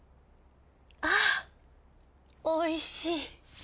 あおいしい。